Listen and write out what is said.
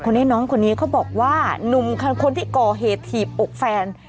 น้องคนนี้เขาบอกว่าหนุ่มคนที่ก่อเหตุถีบอกแฟน